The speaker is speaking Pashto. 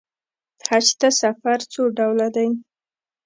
حج ته سفر څو ډوله دی.